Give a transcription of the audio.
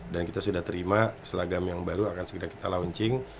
dan kita sudah terima seragam yang baru akan segera kita launching